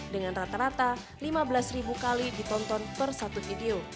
dengan rata rata lima belas ribu kali ditonton per satu video